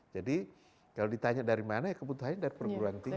jadi kalau ditanya dari mana ya kebutuhannya dari perguruan tinggi